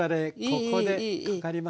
ここでかかります。